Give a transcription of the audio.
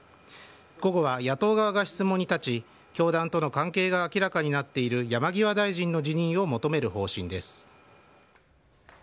午後は野党側が質問に立ち、教団との関係が明らかになっている山際大臣の辞任を求める方針です。